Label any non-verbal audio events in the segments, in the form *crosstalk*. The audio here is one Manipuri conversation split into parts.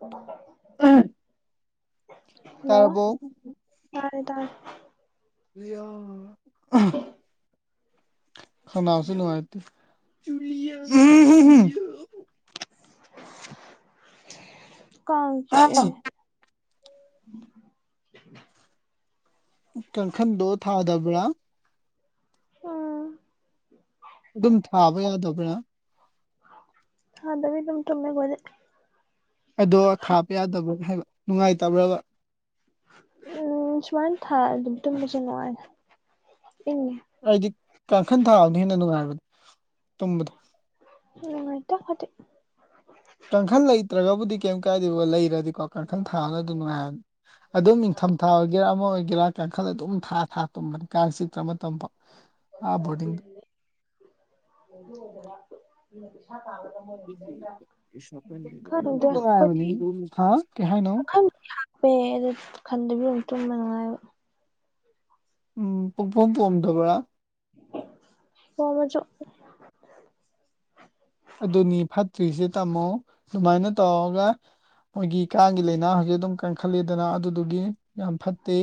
*unintelligible* ꯍꯜꯂꯣ ꯇꯥꯔꯕꯣ ꯇꯥꯔꯦ ꯇꯥꯔꯦ ꯏꯌꯥꯡ *unintelligible* ꯈꯅꯥꯎꯁꯦ ꯅꯨꯡꯉꯥꯏꯇꯦ *unintelligible* ꯀꯥꯡ ꯆꯥꯛꯑꯦꯍꯦ *inaudible* ꯀꯥꯡꯈꯟꯗꯣ ꯊꯥꯗꯕ꯭ꯔꯥ ꯊꯥꯏ ꯑꯗꯨꯝ ꯊꯥꯕ ꯌꯥꯗꯕ꯭ꯔꯥ ꯊꯥꯗꯕꯤ ꯑꯗꯨꯝ ꯇꯨꯝꯃꯦ ꯈꯣꯏꯗꯤ ꯑꯗꯣ ꯊꯥꯕ ꯌꯥꯗꯕ ꯍꯥꯏꯕ ꯅꯨꯡꯉꯥꯏꯇꯕ꯭ꯔꯕ ꯎꯝ ꯁꯨꯃꯅ ꯊꯥ ꯑꯗꯨꯝ ꯇꯩꯝꯕꯁꯩ ꯅꯨꯡꯉꯥꯏꯗ ꯏꯪꯉꯦ ꯑꯩꯗꯤ ꯀꯥꯡꯈꯟ ꯊꯥꯕꯅ ꯍꯦꯟꯅ ꯅꯨꯡꯉꯥꯏꯕꯅꯦ ꯇꯨꯝꯕꯗꯣ ꯅꯨꯡꯉꯥꯏꯇꯦ ꯈꯣꯏꯗꯤ ꯀꯥꯡꯈꯜ ꯂꯩꯇ꯭ꯔꯒꯕꯨꯗꯤ ꯀꯩꯝ ꯀꯥꯏꯗꯦꯕ ꯂꯩꯔꯗꯤꯀꯣ ꯀꯥꯡꯈꯜ ꯊꯥꯅꯗꯤ ꯅꯨꯡꯉꯥꯏꯕꯅꯦ ꯑꯗꯨꯝ ꯅꯤꯡꯊꯝꯊꯥ ꯑꯣꯏꯒꯦꯔꯥ ꯑꯃ ꯑꯣꯏꯒꯦꯔꯥ ꯀꯥꯡꯈꯜ ꯑꯗꯨꯝ ꯊꯥ ꯊꯥ ꯇꯨꯝꯕꯅꯤ ꯀꯥꯡ ꯆꯤꯛꯇ꯭ꯔ ꯃꯇꯝꯐꯥꯎ ꯑꯥ ꯕꯣꯔꯗꯤꯡꯗ *inaudible* ꯅꯨꯡꯗꯤ ꯈꯪꯗꯦ ꯅꯨꯡꯉꯥꯏꯕꯅꯤ ꯈꯣꯏꯗꯤ ꯍꯥ ꯀꯩ ꯍꯥꯏꯅꯣ ꯈꯪ ꯍꯥꯞꯄꯦ ꯑꯗꯨ ꯈꯟꯗꯕꯤ ꯑꯗꯨ ꯇꯨꯝꯕ ꯅꯨꯡꯉꯥꯏꯕ ꯎꯝ ꯄꯨꯡ ꯄꯣꯝ ꯄꯣꯝꯗꯕ꯭ꯔꯥ *unintelligible* ꯑꯗꯨꯅꯤ ꯐꯠꯇ꯭ꯔꯤꯁꯦ ꯇꯥꯃꯣ ꯑꯗꯨꯃꯥꯏꯅ ꯇꯧꯔꯒ ꯃꯣꯏꯒꯤ ꯀꯥꯡꯒꯤ ꯂꯥꯏꯅꯥ ꯍꯧꯖꯤꯛ ꯑꯗꯨꯝ ꯀꯟꯈꯠꯂꯤꯗꯅ ꯑꯗꯨꯗꯨꯒꯤ ꯌꯥꯝ ꯐꯠꯇꯦ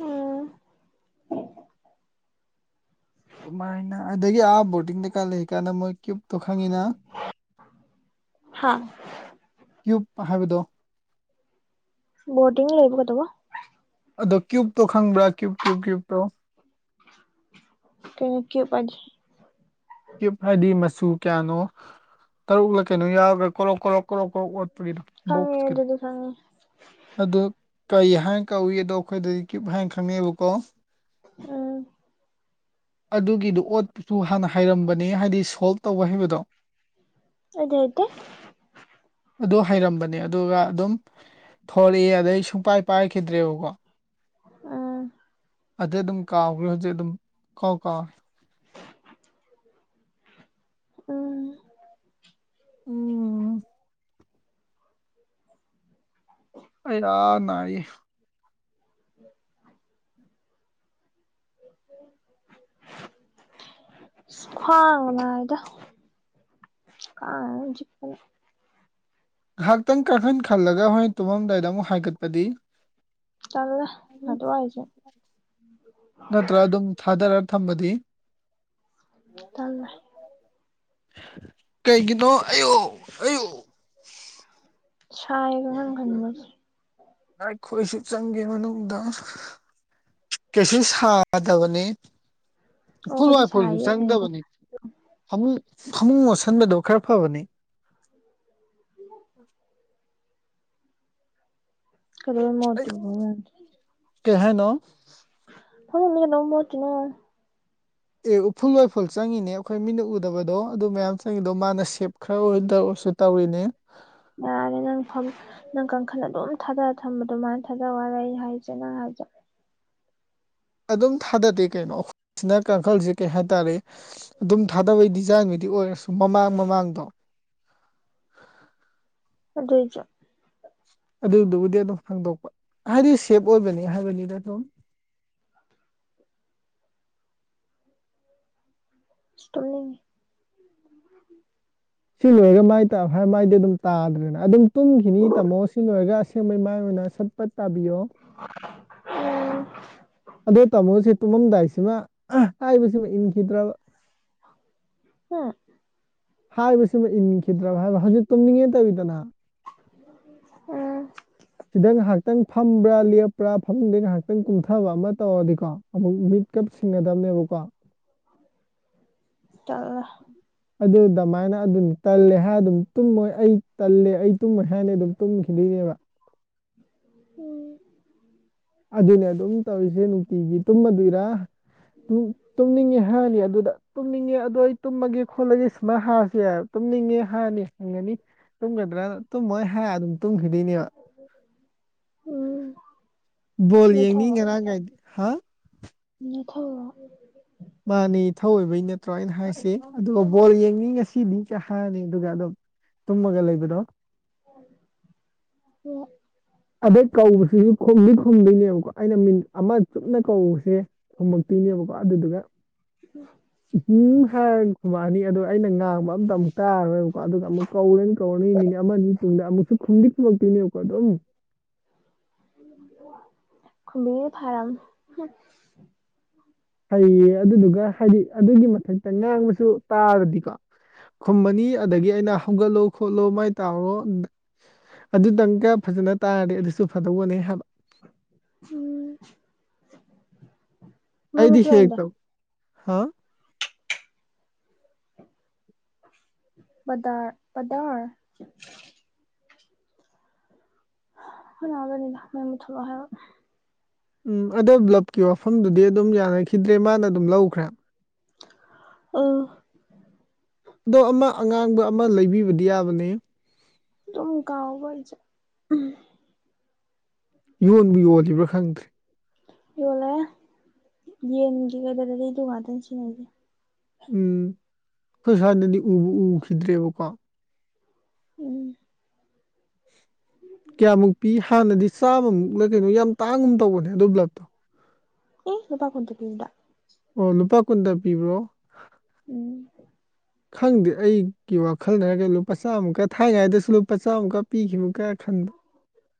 ꯎꯝ *unintelligible* ꯑꯗꯨꯃꯥꯏꯅ ꯑꯗꯒꯤ ꯑꯥ ꯕꯣꯔꯗꯤꯡꯗꯩꯀꯥ ꯂꯩꯔꯤ ꯀꯥꯟꯗ ꯃꯣꯏ ꯀ꯭ꯌꯕꯇꯣ ꯈꯪꯉꯤꯅ ꯍꯥ ꯀ꯭ꯌꯨꯞ ꯍꯥꯏꯕꯗꯣ ꯕꯣꯗꯤꯡ ꯂꯩꯕ ꯀꯩꯇꯧꯕꯣ ꯑꯗꯣ ꯀ꯭ꯌꯨꯞꯇꯣ ꯈꯪꯕ꯭ꯔꯥ ꯀ꯭ꯌꯨꯞ ꯀ꯭ꯌꯨꯨꯞ ꯀ꯭ꯌꯨꯞꯇꯣ ꯀꯩꯅꯣ ꯀ꯭ꯌꯨꯄ ꯍꯥꯢꯗꯤ ꯀ꯭ꯌꯨꯞ ꯍꯥꯏꯗꯤ ꯃꯆꯨ ꯀꯌꯥꯅꯣ ꯇꯔꯨꯛꯂ ꯀꯩꯅꯣ ꯌꯥꯎꯔꯒ ꯀꯣꯔꯣꯛ ꯀꯣꯔꯣꯛ ꯀꯣꯔꯣꯛ ꯀꯣꯔꯣꯛ ꯑꯣꯠꯄꯒꯤꯗꯣ ꯈꯪꯉꯦ ꯕꯣꯛ꯭ꯁꯀꯤ ꯑꯗꯨꯗꯤ ꯈꯪꯉꯦ ꯑꯗꯣ ꯀꯔꯤ ꯍꯥꯏꯅ ꯀꯧꯏ ꯑꯗꯣ ꯑꯩꯈꯣꯏꯗꯗꯤ ꯀ꯭ꯌꯨꯞ ꯍꯥꯏꯅ ꯈꯪꯅꯩꯑꯕꯀꯣ ꯎꯝ ꯑꯗꯨꯒꯤꯗꯨꯣ ꯑꯣꯠꯄꯁꯨ ꯍꯥꯟꯅ ꯍꯩꯔꯝꯕꯅꯦ ꯍꯥꯏꯗꯤ ꯁꯣꯜꯕ ꯇꯧꯕ ꯍꯩꯕꯗꯣ ꯑꯗꯩꯗꯤ ꯑꯗꯨ ꯍꯩꯔꯝꯕꯅꯦ ꯑꯗꯨꯒ ꯑꯗꯨꯝ ꯊꯣꯔꯛꯑꯦ ꯑꯗꯩ ꯁꯨꯡꯄꯥꯏ ꯄꯥꯏꯔꯈꯤꯗ꯭ꯔꯦꯕꯀꯣ ꯎꯝ ꯑꯗꯩ ꯑꯗꯨꯝ ꯀꯥꯎꯈꯦ ꯍꯧꯖꯤꯛ ꯑꯗꯨꯝ ꯀꯥꯎ ꯀꯥꯎ ꯎꯝ ꯎꯝ ꯑꯌꯥ ꯅꯥꯌꯦ ꯎꯝ ꯈ꯭ꯋꯥꯡꯒ ꯅꯥꯢꯗ ꯀꯥꯡ ꯃꯔꯣꯃ ꯆꯤꯛꯄꯅꯦ ꯉꯥꯏꯍꯥꯛꯇꯪ ꯀꯥꯏꯈꯟ ꯈꯜꯂꯒ ꯍꯣꯔꯦꯟ ꯇꯨꯝꯃꯝꯗꯥꯏꯗ ꯑꯃꯨꯛ ꯍꯥꯏꯒꯠꯄꯗꯤ ꯇꯜꯂꯦ ꯑꯗꯨꯋꯥꯢꯁꯨ ꯅꯠꯇ꯭ꯔꯥ ꯑꯗꯨꯝ ꯊꯥꯗꯔ ꯊꯝꯕꯗꯤ ꯇꯜꯂꯦ ꯀꯩꯒꯤꯅꯣ ꯑꯌꯣ ꯑꯌꯣ ꯁꯥꯢꯕ ꯀꯥꯡꯈꯟ ꯈꯟꯕꯁꯦ ꯅꯥꯢ ꯈꯣꯏꯁꯨ ꯆꯪꯒꯦ ꯃꯅꯨꯡꯗ ꯀꯩꯁꯨ ꯁꯥꯗꯕꯅꯤ ꯑꯣ ꯎꯐꯨꯜ ꯑꯈꯣꯏꯗꯤ ꯋꯥꯏꯐꯨꯜꯁꯨ ꯁꯥꯏꯌꯦ ꯆꯪꯗꯕꯅꯤ ꯐꯃꯨꯡ ꯐꯃꯨꯡ ꯃꯣꯠꯁꯤꯟꯕꯗꯣ ꯈꯔ ꯐꯕꯅꯤ *inaudible* ꯀꯩꯗꯧꯕꯩ ꯑꯩ ꯃꯣꯠꯇꯣꯢꯅꯣ ꯀꯩ ꯍꯥꯢꯅꯣ *unintelligible* ꯃꯣꯠꯈꯤꯅꯤ ꯍꯥꯢ ꯑꯦ ꯎꯐꯨꯜ ꯋꯥꯏꯐꯨꯜ ꯆꯪꯉꯤꯅꯦ ꯑꯩꯈꯣꯏ ꯃꯤꯠꯅ ꯎꯗꯕꯗꯣ ꯑꯗꯨ ꯃꯌꯥꯝ ꯆꯪꯉꯤꯗꯣ ꯃꯥꯅ ꯁꯦꯞ ꯈꯔ ꯑꯣꯏꯗꯁꯨ ꯇꯧꯔꯤꯅꯦ ꯅꯥꯔꯦ ꯅꯪ ꯐꯝ ꯅꯪ ꯀꯥꯡꯈꯜ ꯑꯗꯨꯝ ꯊꯥꯗꯔ ꯊꯝꯕ ꯑꯗꯨꯃꯥꯏꯅ ꯊꯥꯗꯧ ꯍꯥꯢꯔ ꯑꯩ ꯍꯥꯏꯁꯦ ꯅꯪ ꯍꯥꯏꯖꯦ ꯑꯗꯨꯝ ꯊꯥꯗꯗꯦ ꯀꯩꯅꯣ ꯑꯩꯈꯣꯏ ꯁꯤꯅ ꯀꯥꯡꯈꯜꯁꯤ ꯀꯩ ꯍꯥꯏꯇꯥꯔꯦ ꯑꯗꯨꯝ ꯊꯥꯗꯕꯩ ꯗꯤꯖꯥꯏꯟꯕꯨꯗꯤ ꯑꯣꯏꯔꯁꯨ ꯃꯃꯥꯡ ꯃꯃꯥꯡꯗꯣ ꯑꯗꯨꯏ ꯆꯣ ꯑꯗꯨꯗꯨꯕꯨꯗꯤ ꯑꯗꯨꯝ ꯐꯪꯗꯣꯛꯄ ꯍꯥꯏꯗꯤ ꯁꯦꯞ ꯑꯣꯏꯕꯅꯤ ꯍꯥꯏꯕꯅꯤꯗ ꯑꯗꯨꯝ ꯏꯁ ꯇꯨꯝꯅꯤꯡꯉꯤ ꯁꯤ ꯂꯣꯏꯔꯒ ꯃꯥꯏ ꯇꯥꯎ ꯍꯥꯢꯔꯒ ꯃꯥꯏꯗꯤ ꯑꯗꯨꯝ ꯇꯥꯗ꯭ꯔꯦꯅ ꯑꯗꯨꯝ ꯇꯨꯝꯈꯤꯅꯤ ꯇꯥꯝꯃꯣ ꯁꯤ ꯂꯣꯏꯔꯒ ꯑꯁꯦꯡꯕ ꯃꯥꯏ ꯑꯣꯏꯅ ꯁꯠ ꯄꯠ ꯇꯥꯕꯤꯌꯣ ꯎꯝ ꯑꯗꯨ ꯇꯥꯃꯣꯁꯦ ꯇꯨꯝꯃꯝꯗꯥꯏꯁꯤꯃ ꯍꯥꯏꯕꯁꯤꯃ ꯏꯟꯈꯤꯗ꯭ꯔꯕ ꯍꯝ ꯍꯥꯏꯕꯁꯤꯃ ꯏꯟꯈꯤꯗ꯭ꯔꯕ ꯍꯥꯏꯕ ꯍꯧꯖꯤꯛ ꯇꯨꯝꯅꯤꯡꯉꯦ ꯇꯧꯕꯤꯗꯅ ꯎꯝ ꯁꯤꯗ ꯉꯥꯏꯍꯥꯛꯇꯪ ꯐꯝꯕ꯭ꯔꯥ ꯂꯦꯞꯄ꯭ꯔꯥ ꯐꯝꯝꯕꯗꯩ ꯉꯥꯏꯍꯥꯛꯇꯪ ꯀꯨꯝꯊꯕ ꯑꯃ ꯇꯧꯔꯗꯤꯀꯣ ꯑꯃꯨꯛ ꯃꯤꯠ ꯀꯞ ꯁꯤꯡꯒꯗꯕꯅꯦꯕꯀꯣ ꯇꯠ ꯑꯗꯨ ꯑꯗꯨꯃꯥꯏꯅ ꯑꯗꯨꯝ ꯇꯜꯂꯦ ꯍꯥꯏꯔ ꯑꯗꯨꯝ ꯇꯨꯝꯃꯣꯏ ꯑꯩ ꯇꯜꯂꯦ ꯑꯩ ꯇꯨꯝꯃꯣꯏ ꯍꯥꯏꯔꯅꯤ ꯑꯗꯨꯝ ꯇꯨꯝꯈꯤꯗꯣꯏꯅꯦꯕ ꯍ ꯑꯗꯨꯅꯦ ꯑꯗꯨꯝ ꯇꯧꯔꯤꯁꯦ ꯅꯨꯡꯇꯤꯒꯤ ꯇꯨꯝꯃꯗꯣꯏꯔꯥ ꯇꯨꯝꯅꯤꯡꯉꯤ ꯍꯥꯏꯔꯅꯤ ꯑꯗꯨꯗ ꯇꯨꯝꯅꯤꯡꯉꯦ ꯑꯗꯣ ꯑꯩ ꯇꯨꯝꯃꯒꯦ ꯈꯣꯠꯂꯒꯦ ꯁꯨꯃꯥꯏ ꯍꯥꯁꯦ ꯇꯨꯝꯅꯤꯡꯉꯦ ꯍꯥꯔꯅꯤ ꯍꯪꯒꯅꯤ ꯇꯨꯝꯒꯗ꯭ꯔꯥꯅ ꯇꯨꯝꯃꯣꯏ ꯍꯥꯏ ꯑꯗꯨꯝ ꯇꯨꯝꯈꯤꯗꯣꯏꯅꯦꯕ ꯎꯝ ꯕꯣꯜ ꯌꯦꯡꯅꯤꯡ ꯉꯔꯥꯡ ꯀꯥꯏꯗ ꯍꯥ ꯊꯧ ꯃꯥꯅꯤ ꯏ ꯊꯧꯑꯣꯕꯩ ꯅꯠꯇ꯭ꯔꯣ ꯑꯅ ꯍꯥꯏꯁꯤ ꯑꯣ ꯕꯣꯜ ꯌꯦꯡꯅꯤꯡꯉꯁꯤ ꯁꯤꯗꯤ ꯀ ꯍꯅꯤ ꯑꯗꯨꯒ ꯑꯗꯨꯝ ꯇꯨꯝꯃꯒ ꯂꯩꯕꯗꯣ ꯎ ꯑꯗꯩ ꯀꯧꯕꯁꯤꯁꯨ ꯈꯨꯝꯗꯤ ꯈꯨꯝꯗꯣꯏꯅꯦꯕꯀꯣ ꯑꯩꯅ ꯃꯤꯅꯤꯠ ꯑꯃ ꯆꯨꯞꯅ ꯀꯧꯕꯁꯦ ꯊꯨꯝꯃꯛꯇꯤꯅꯦꯕꯀꯣ ꯑꯗꯨꯗꯨꯒ ꯏꯍꯤꯡ ꯍꯥꯏꯔꯒ ꯈꯨꯕꯥꯅꯤ ꯑꯗꯣ ꯑꯩꯅ ꯉꯥꯡꯕ ꯑꯇ ꯑꯃꯨꯛ ꯇꯥꯔꯔꯣꯏꯕꯀꯣ ꯑꯗꯨꯒ ꯑꯃꯨꯛ ꯀꯧꯔꯅꯤ ꯀꯧꯔꯅꯤ ꯃꯤꯅꯤꯠ ꯑꯃ ꯇꯨꯡꯗ ꯑꯃꯨꯛꯁꯨ ꯈꯨꯝꯗꯤ ꯈꯨꯝꯃꯛꯇꯣꯏꯅꯦꯕꯀꯣ ꯑꯗꯨꯝ ꯈꯃ ꯐꯔꯝ ꯐꯩꯌꯦ ꯑꯗꯨꯗꯨꯒ ꯍꯥꯏꯗꯤ ꯑꯗꯨꯒꯤ ꯃꯊꯛꯇ ꯉꯥꯡꯕꯁꯨ ꯇꯥꯔꯗꯤꯀꯣ ꯈꯨꯝꯃꯅꯤ ꯑꯗꯒꯤ ꯑꯩꯅ ꯍꯧꯒꯠꯂꯣ ꯈꯣꯠꯂꯨ ꯃꯥꯏꯅ ꯇꯧꯔꯣ ꯑꯗꯨꯇꯪꯒ ꯐꯖꯅ ꯇꯥꯔꯗꯤ ꯑꯗꯨꯁꯨ ꯐꯗꯧꯅꯦ ꯍꯥꯏꯕ ꯎꯝ ꯃꯩ ꯑꯩꯗꯤ ꯃꯆꯨ ꯍꯦꯛ ꯑꯣꯏꯅꯗꯦ ꯇꯧ ꯍꯥ ꯗꯔ ꯄꯗꯔ ꯍꯗꯅꯤ ꯊ ꯍꯥꯏ ꯎꯝ ꯑꯗꯣ ꯕ꯭ꯂꯞꯀꯤ ꯋꯥꯐꯝꯗꯨꯗꯤ ꯑꯗꯨꯝ ꯌꯥꯅꯈꯤꯗ꯭ꯔꯦ ꯃꯥꯅ ꯑꯗꯨꯝ ꯂꯧꯈ꯭ꯔꯦ ꯑ ꯑꯗꯣ ꯑꯃ ꯑꯉꯥꯡꯕ ꯑꯃ ꯂꯩꯕꯤꯕꯗꯤ ꯌꯥꯕꯅꯦ ꯇꯀꯕ ꯆ ꯌꯣꯟꯕ ꯌꯣꯜꯂꯤꯔꯤꯕ꯭ꯔꯥ ꯈꯪꯗ꯭ꯔꯦ ꯌꯣꯜꯂꯦ ꯌꯦꯟꯒꯤꯦ ꯀꯩꯗꯔꯗꯤꯗ ꯉꯥꯛꯇꯪ ꯁꯤꯖꯤꯟꯅꯁꯦ ꯎꯝ ꯑꯩꯈꯣꯏ ꯁꯋꯥꯅꯗꯤ ꯎꯕ ꯎꯈꯤꯗ꯭ꯔꯦꯕꯀꯣ ꯎꯝ ꯀꯌꯥꯃꯨꯛ ꯄꯤ ꯍꯥꯟꯅꯗꯤ ꯆꯥꯝꯃꯃꯨꯛꯅ ꯀꯩꯅꯣ ꯌꯥꯝ ꯇꯥꯡꯒꯨꯝ ꯇꯧꯕꯅꯦ ꯑꯗꯨ ꯕ꯭ꯂꯞꯇꯣ ꯑꯦ ꯂꯣꯄꯥ ꯈꯣꯟꯗ ꯄꯁꯤꯗ ꯑꯣ ꯂꯨꯄꯥ ꯀꯨꯟꯗ ꯄꯤꯕ꯭ꯔꯣ ꯎꯝ ꯈꯪꯗꯦ ꯑꯩꯒꯤ ꯋꯥꯈꯜꯗꯒ ꯂꯨꯄꯥ ꯆꯥꯝꯃꯨꯛꯀ ꯊꯥꯏꯅꯉꯩꯗꯁꯨ ꯂꯨꯄꯥ ꯆꯥꯝꯃꯨꯛꯀ ꯄꯤꯈꯤꯕ ꯀꯥꯏ ꯈꯟꯕ ꯎ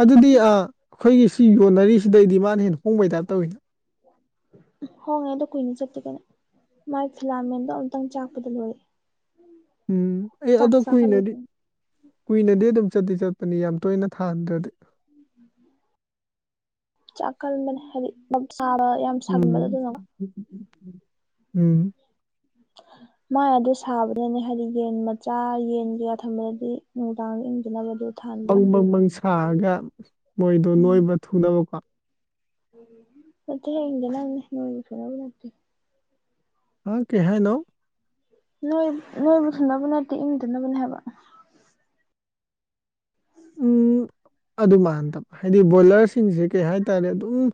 ꯑꯗꯨꯗꯤ ꯑꯩꯈꯣꯏꯒꯤ ꯁꯤ ꯌꯣꯟꯅꯔꯤꯁꯤꯗꯩꯗꯤ ꯃꯥꯅ ꯍꯦꯟꯅ ꯍꯣꯡꯕꯩ ꯇꯥꯏꯞ ꯇꯧꯋꯤꯅ ꯍꯉ ꯑꯗꯣ ꯀꯨꯏꯅꯤ ꯆꯠꯇ ꯀꯅꯦ ꯃꯥꯏ ꯐꯤꯂꯥꯃꯦꯟꯗꯣ ꯑꯃꯨꯛꯇꯪ ꯆꯥꯛꯄꯗ ꯂꯣꯏꯔ ꯎꯝ ꯑꯦ ꯑꯗꯣ ꯀꯨꯏꯅꯗꯤ ꯀꯨꯏꯅꯗꯤ ꯑꯗꯨꯝ ꯆꯠꯇ ꯆꯠꯄꯅꯤ ꯌꯥꯝ ꯇꯣꯏꯅ ꯊꯥꯍꯟꯗ꯭ꯔꯗꯤ ꯆꯀꯜ ꯃ ꯍꯥꯏꯦꯗꯤ ꯃꯞ ꯆꯥꯕ ꯌꯥꯝ ꯁꯥꯒꯟꯕꯗꯣ ꯎꯝ ꯑꯗꯨꯅ ꯎꯝ *unintelligible* ꯃꯥꯏ ꯑꯗꯨ ꯁꯥꯕꯅꯅꯦ ꯍꯥꯏꯗꯤ ꯌꯦꯟ ꯃꯆꯥ ꯌꯦꯟ ꯀꯌꯥ ꯊꯝꯕꯗꯗꯤ ꯅꯨꯡꯗꯥꯡꯗ ꯏꯪꯗꯅꯕꯗꯨ ꯕꯪ ꯕꯪ ꯕꯪ ꯁꯥꯔꯒ ꯃꯣꯏꯗꯣ ꯎꯝ ꯅꯣꯏꯕ ꯊꯨꯅꯕꯀꯣ ꯅꯠꯇꯦꯍꯦ ꯏꯪꯗꯅꯕꯅꯤ ꯣꯏꯕ ꯊꯨꯅꯕ ꯅꯠꯇꯦ ꯑ ꯀꯩ ꯍꯥꯏꯅꯣ ꯅꯣꯏ ꯅꯣꯏꯕ ꯐꯅꯕ ꯅꯠꯇꯦ ꯏꯪꯗꯅꯕꯅꯦ ꯍꯥꯏꯕ ꯎꯝ ꯑꯗꯨ ꯃꯥꯟꯅꯗꯕ ꯍꯥꯏꯗꯤ ꯕꯣꯏꯂꯔꯁꯤꯡꯁꯦ ꯀꯩ ꯍꯥꯏꯇꯥꯔꯦ ꯑꯗꯨꯝ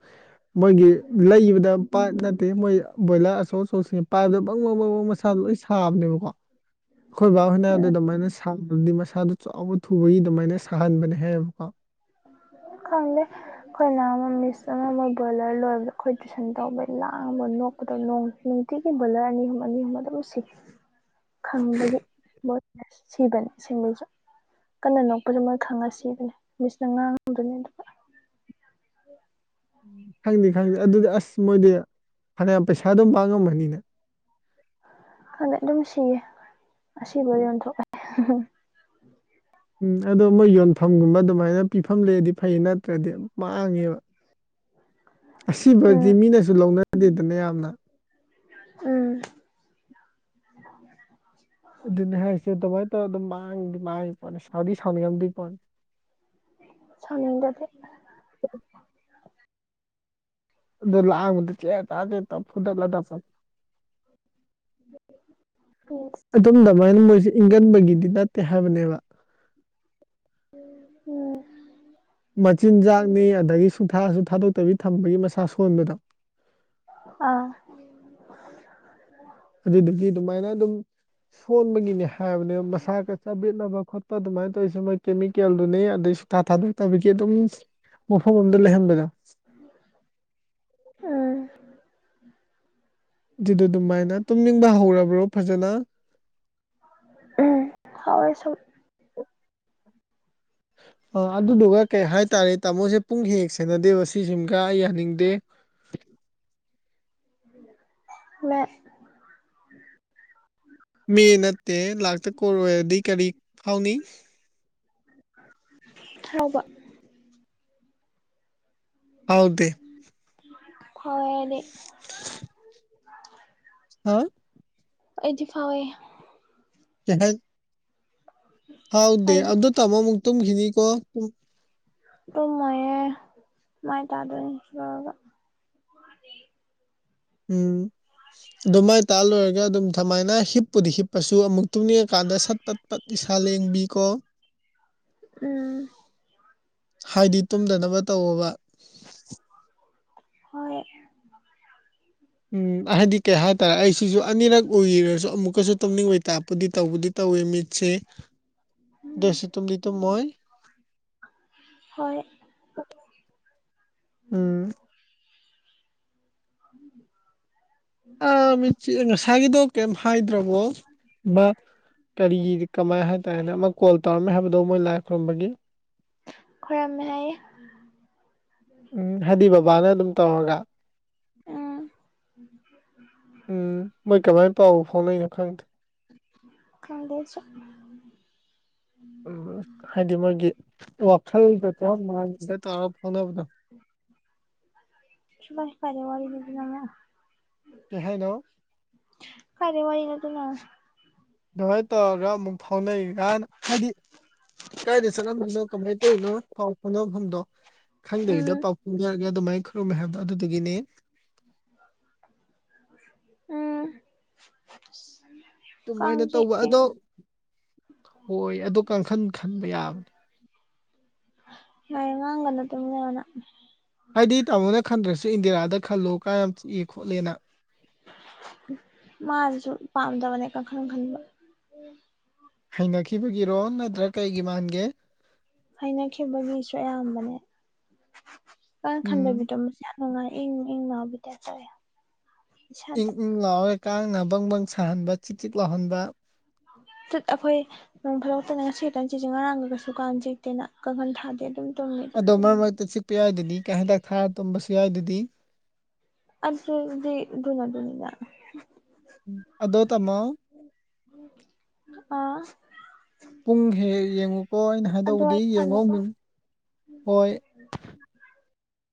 ꯃꯣꯏꯒꯤ ꯂꯩꯕꯗ ꯄꯥꯠ ꯅꯠꯇꯦ ꯃꯣꯏ ꯕꯣꯏꯂꯔ ꯑꯁꯧ ꯁꯦ ꯄꯥꯏꯕꯗ ꯕꯪ ꯕꯪꯪ ꯕꯪ ꯃꯁꯥꯗꯣ ꯂꯣꯏ ꯁꯥꯕꯅꯦꯕꯀꯣ ꯑꯩꯈꯣꯏ ꯕꯥ ꯍꯣꯏꯅ ꯑꯗꯨ ꯑꯗꯨꯃꯥꯏꯅ ꯁꯥꯗꯨꯗꯤ ꯃꯁꯥꯗꯣ ꯆꯥꯎꯕ ꯊꯨꯕꯒꯤ ꯑꯗꯨꯃꯥꯏꯅ ꯁꯥꯍꯟꯕꯅꯦ ꯍꯥꯏꯌꯦꯕꯀꯣ ꯈꯪꯗꯦ ꯑꯩꯈꯣꯏꯅ ꯑꯃ ꯃꯤꯁ ꯑꯃ ꯃꯣꯏ ꯕꯣꯏꯂꯔ ꯂꯣꯏꯕꯗ ꯑꯩꯈꯣꯏ ꯇꯨꯏꯁꯟ ꯇꯧꯕꯩ ꯂꯥꯡꯕ ꯅꯣꯛꯄꯗ ꯅꯣꯡ ꯅꯨꯡꯇꯤꯒꯤ ꯕꯣꯏꯂꯔ ꯑꯅꯤ ꯑꯍꯨꯝ ꯑꯅꯤ ꯑꯍꯨꯝ ꯑꯗꯨ ꯁꯤ ꯈꯪꯕꯒꯤ ꯑꯁ ꯁꯤꯕꯅꯤ *inaudible* ꯀꯟꯅ ꯅꯣꯛꯄꯁꯨ ꯃꯣꯏ ꯈꯪꯉ ꯁꯤꯕꯅꯦ ꯃꯤꯁꯅ ꯉꯥꯡꯗꯣꯏꯅꯦ ꯑꯗꯨꯒ ꯈꯪꯗꯦ ꯈꯪꯗꯦ ꯑꯗꯨꯗꯤ ꯑꯁ ꯃꯣꯏꯗꯤ ꯐꯅꯌꯥꯝ ꯄꯩꯁꯥꯗꯨꯝ ꯄꯥꯡꯉꯝꯃꯅꯤꯅꯦ ꯈꯪꯗꯦ ꯑꯗꯨꯝ ꯁꯤꯌꯦ ꯑꯁꯤꯕꯒꯩ ꯌꯣꯟꯊꯣꯛꯑꯦ ꯎꯝ ꯑꯗꯣ ꯃꯣꯏ ꯌꯣꯟꯐꯝꯒꯨꯝꯕ ꯑꯗꯨꯃꯥꯏꯅ ꯄꯤꯐꯝ ꯂꯩꯔꯗꯤ ꯐꯩ ꯅꯠꯇ꯭ꯔꯗꯤ ꯃꯥꯡꯉꯦꯕ ꯑꯁꯤꯕꯗꯤ ꯎꯝ ꯃꯤꯅꯁꯨ ꯂꯧꯅꯗꯦꯗꯅ ꯌꯥꯝꯅ ꯎꯝ ꯑꯗꯨꯅꯦ ꯍꯥꯏꯁꯦ ꯑꯗꯨꯃꯥꯏꯅ ꯇꯧꯔ ꯑꯗꯨꯝ ꯃꯥꯡꯗꯤ ꯃꯥꯡꯉꯤ ꯄꯣꯅꯤ ꯁꯥꯎꯗꯤ ꯁꯥꯎꯅꯤꯡꯉꯝꯗꯣ ꯄꯣꯠꯅꯤ ꯁꯥꯎꯅꯤꯡꯗꯗꯤ ꯑꯗꯨ ꯂꯥꯡꯗ ꯆꯦ ꯇꯦꯇꯥ ꯇꯦꯇꯥ ꯐꯨꯗꯠꯂꯒ *unintelligible* ꯏꯁ ꯑꯗꯨꯝ ꯑꯗꯨꯃꯥꯏꯅ ꯃꯣꯏꯁꯤ ꯏꯪꯒꯟꯕꯒꯤꯗꯤ ꯅꯠꯇꯦ ꯍꯥꯏꯕꯅꯦꯕ ꯎꯝ ꯃꯆꯤꯟꯖꯥꯛꯅꯤ ꯑꯗꯒꯤ ꯁꯨꯡꯊꯥꯁꯨ ꯊꯥꯗꯣꯛꯇꯕꯤ ꯊꯝꯕꯒꯤ ꯃꯁꯥ ꯁꯣꯟꯕꯗ ꯑꯥ ꯑꯗꯨꯗꯨꯒꯤ ꯑꯗꯨꯃꯥꯏꯅ ꯑꯗꯨꯝ ꯁꯣꯟꯕꯒꯤꯅꯤ ꯍꯥꯏꯕꯅꯦꯕ ꯃꯁꯥꯒ ꯆꯥꯕꯦꯠꯅꯕ ꯈꯣꯠꯄ ꯑꯗꯨꯃꯥꯏꯅ ꯇꯧꯔꯤꯁꯦ ꯃꯣꯏ ꯀꯦꯃꯤꯀꯦꯜꯗꯨꯅꯦ ꯑꯗꯩ ꯁꯨꯊꯥ ꯊꯥꯗꯣꯛꯇꯕꯒꯤ ꯑꯗꯨꯝ ꯃꯐꯝ ꯑꯃꯗ ꯂꯩꯍꯟꯕꯒ *unintelligible* ꯎꯝ ꯑꯗꯨꯗꯨ ꯑꯗꯨꯃꯥꯏꯅ ꯇꯨꯝꯅꯤꯡꯕ ꯍꯧꯔꯕ꯭ꯔꯣ ꯐꯖꯅ ꯎꯝ ꯍꯧꯔꯦ ꯁꯨꯝ ꯑ ꯑꯗꯨꯗꯨꯒ ꯀꯩ ꯍꯥꯏꯇꯥꯔꯦ ꯇꯥꯃꯣꯁꯦ ꯄꯨꯡ ꯍꯦꯛ ꯍꯦꯛ ꯁꯦꯟꯅꯗꯦꯕ ꯁꯤꯁꯤꯝꯒ ꯑꯩ ꯌꯥꯅꯤꯡꯗꯦ *unintelligible* *unintelligible* ꯃꯤ ꯅꯠꯇꯦ ꯂꯥꯛꯇ ꯀꯣꯔꯣꯗꯤ ꯀꯔꯤ ꯐꯥꯎꯅꯤ *unintelligible* ꯐꯥꯎꯗꯦ ꯐꯥꯎꯋꯦ ꯑꯩꯗꯤ *unintelligible* ꯍꯥ ꯑꯩꯗꯤ ꯐꯥꯎꯋꯦ *unintelligible* ꯐꯥꯎꯗꯦ ꯑꯩꯗꯤ ꯑꯗꯨ ꯇꯧꯕ ꯑꯃꯨꯛ ꯇꯨꯝꯈꯤꯅꯤ ꯀꯣ ꯇꯨꯝꯃꯣꯌꯦ ꯃꯥꯏ ꯇꯥꯗꯣꯏꯅꯦ ꯁꯤ ꯂꯣꯏꯔꯒ ꯎꯝ ꯑꯗꯨ ꯃꯥꯏ ꯇꯥ ꯂꯣꯏꯔꯒ ꯑꯗꯨꯝ ꯁꯨꯃꯥꯏꯅ ꯍꯤꯞꯄꯨꯗꯤ ꯍꯤꯞꯄꯁꯨ ꯑꯃꯨꯛ ꯇꯨꯡꯅꯤꯡꯉꯀꯥꯟꯗ ꯁꯠ ꯄꯠ ꯄꯠ ꯏꯁꯥ ꯂꯦꯡꯕꯤ ꯀꯣ ꯎꯝ ꯍꯥꯏꯗꯤ ꯇꯨꯝꯗꯅꯕ ꯇꯧꯑꯣꯕ ꯍꯣꯏ ꯎꯝ ꯍꯥꯏꯗꯤ ꯀꯩ ꯍꯥꯏꯇꯥꯔꯦ ꯑꯩꯁꯤꯁꯨ ꯑꯅꯤꯔꯛ ꯎꯏꯔꯁꯨ ꯑꯃꯨꯛꯀꯁꯨ ꯇꯧꯅꯤꯡꯕꯩ ꯇꯥꯛꯄꯨꯗꯤ ꯇꯧꯕꯗꯤ ꯇꯧꯋꯏ ꯃꯤꯠꯁꯦ ꯎꯝ ꯗꯁꯨ ꯇꯨꯝꯗꯤ ꯇꯨꯝꯃꯣꯏ ꯍꯣꯏ ꯎꯝ ꯎꯝ *unintelligible* ꯉꯁꯥꯏꯒꯤꯗꯣ ꯀꯩꯝ ꯍꯥꯏꯗ꯭ꯔꯣꯕ ꯀꯔꯤꯒꯤ ꯀꯃꯥꯏ ꯍꯥꯏ ꯇꯥꯔꯦ ꯑꯃꯛ ꯀꯣꯜ ꯇꯧꯔꯝꯃꯦ ꯍꯥꯏꯕꯗꯣ ꯃꯣꯏ ꯂꯥꯏ ꯈꯨꯏꯔꯨꯝꯕꯒꯤ ꯈꯣꯢꯔꯝꯃꯦ ꯍꯥꯏꯌꯦ ꯎꯝ ꯍꯥꯏꯗꯤ ꯕꯕꯥꯅ ꯑꯗꯨꯝ ꯇꯧꯔꯒ ꯎꯝ ꯎꯝ ꯃꯣꯏ ꯀꯃꯥꯏꯅ ꯄꯥꯎ ꯐꯥꯎꯅꯩꯅꯣ ꯈꯪꯗꯦ ꯈꯪꯗꯦ ꯑꯩꯁꯨ ꯎ ꯍꯥꯏꯗꯤ ꯃꯣꯏꯒꯤ ꯋꯥꯈꯜꯗ ꯆꯍꯥꯛ ꯃꯥꯡꯗ ꯇꯧꯔꯒ ꯐꯥꯎꯅꯕꯗꯣ ꯁ ꯀꯥꯢꯗꯩ ꯋꯥꯔꯤꯗꯤ *unintelligible* ꯀꯩ ꯍꯥꯏꯅꯣ ꯀꯥꯏꯗꯩꯩ ꯋꯥꯏꯔꯤꯅꯣ ꯑꯗꯨꯅ ꯑꯗꯨꯃꯥꯏꯅ ꯇꯧꯔꯒ ꯑꯃꯨꯛ ꯐꯥꯎꯅꯩꯀꯥꯟꯅ ꯍꯥꯏꯗꯤ ꯀꯥꯏꯗ ꯆꯠꯂꯝꯃꯤꯅꯣ ꯀꯃꯥꯏꯅ ꯇꯧꯔꯤꯅꯣ ꯄꯥꯎ ꯐꯥꯎꯅꯐꯝꯗꯣ ꯈꯪꯗꯔꯤꯗ ꯄꯥꯎ ꯑꯗꯨꯃꯥꯏꯅ ꯈꯔꯨꯝꯃꯦ ꯍꯥꯏꯕꯗꯣ ꯑꯗꯨꯗꯒꯤꯅꯦ ꯎꯝ ꯀꯥꯡ ꯑꯗꯨꯃꯥꯏꯅ ꯇꯧꯕ ꯆꯤꯛꯑꯦ ꯑꯗꯣ ꯍꯣꯏ ꯑꯗꯣ ꯀꯥꯡꯈꯟ ꯈꯟꯕ ꯌꯥꯕꯅꯦ ꯍꯌꯦ ꯉꯥꯡꯒꯅ ꯇꯝ ꯂꯩꯅ ꯍꯥꯏꯗꯤ ꯇꯥꯃꯣꯅ ꯈꯟꯗ꯭ꯔꯁꯨ ꯏꯟꯗꯤꯌꯥꯥꯗ ꯈꯜꯂꯣ ꯀꯥꯏ ꯌꯥꯝ ꯆꯤꯛꯑꯦ ꯈꯣꯠꯂꯦꯅ ꯃꯥꯅꯁꯨ ꯄꯥꯝꯗꯕꯅꯦ ꯀꯈꯟ ꯈꯟꯕ ꯍꯩꯅꯈꯤꯕꯒꯤꯔꯣ ꯅꯠꯇ꯭ꯔ ꯀꯩꯒꯤ ꯃꯥꯟꯒꯦ ꯍꯥꯏꯅꯈꯤꯕꯒꯤꯁꯨ ꯑꯌꯥꯝꯕꯅꯦ ꯀꯪ ꯎꯝ ꯈꯟꯗꯕꯤꯗꯣ ꯃ ꯅꯨꯡꯉꯥꯏ ꯏꯪ ꯏꯪ ꯂꯥꯎꯕꯩꯗ ꯇꯔꯦ ꯏꯪ ꯏꯪ ꯂꯥꯎꯔꯒ ꯀꯥꯡꯅ ꯕꯪ ꯕꯪ ꯁꯥꯍꯟꯕ ꯆꯤꯛ ꯆꯤꯛ ꯂꯥꯎꯍꯟꯕ ꯇꯨꯠ ꯑꯩꯈꯣꯏ ꯅꯣꯡ ꯐꯥꯗꯣꯛꯇꯅ ꯉꯁꯤ ꯍꯦꯛꯇꯪ ꯆꯦꯁꯦ ꯉꯔꯥꯡꯒ ꯀꯩꯁꯨ ꯀꯥꯟꯅ ꯆꯦꯛꯇꯦꯅ ꯀꯥꯡꯈꯟ ꯊꯥꯗꯦ ꯑꯗꯨꯝ ꯇꯨꯝꯃꯤꯗꯤ ꯑꯗꯣ ꯃꯔꯛ ꯃꯔꯛꯇ ꯆꯤꯛꯄ ꯌꯥꯏꯗꯗꯤ ꯀ ꯍꯟꯗꯛ ꯊꯥꯔ ꯇꯨꯝꯝꯕꯁꯨ ꯌꯥꯏꯗꯗꯤ ꯑꯗꯨꯁꯗꯤ ꯙꯨꯅ ꯅꯤꯗ ꯎ ꯑꯗꯣ ꯇꯝꯃꯣ ꯑꯥ ꯄꯨꯡ ꯍꯦꯛ ꯌꯦꯡꯉꯨꯀꯣ ꯑꯩꯅ ꯑꯗꯣ ꯍꯥꯏꯗꯧꯕꯗꯤ ꯑꯩ ꯌꯦꯡꯉꯣ ꯊꯝꯃꯦꯀꯣ ꯑꯃ ꯍꯣꯏ